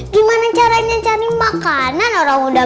gimana caranya cari makanan orang muda